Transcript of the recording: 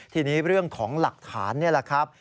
ทีนี้เรื่องของหลักฐานนี่แหละครับ